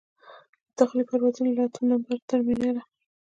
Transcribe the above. د داخلي پروازونو له اتم نمبر ټرمینله.